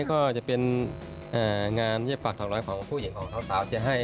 ก็จะเป็นงานเย็บปากท้องน้อยของผู้หญิงของสาวที่ให้